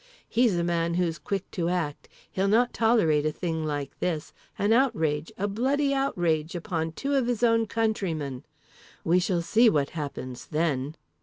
He's a man who's quick to act. He'll not tolerate a thing like this—an outrage, a bloody outrage, upon two of his own countrymen. We shall see what happens then."